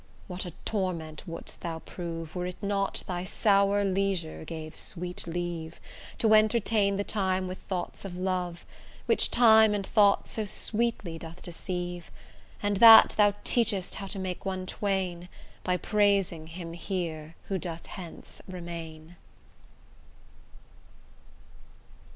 what a torment wouldst thou prove, Were it not thy sour leisure gave sweet leave, To entertain the time with thoughts of love, Which time and thoughts so sweetly doth deceive, And that thou teachest how to make one twain, By praising him here who doth hence remain.